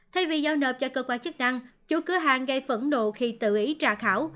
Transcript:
thay vì giao nộp cho cơ quan chức năng chủ cửa hàng gây phẫn nộ khi tự ý trả khảo